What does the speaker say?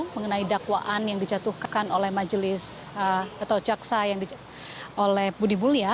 mengenai dakwaan yang dijatuhkan oleh majelis atau jaksa yang oleh budi bulia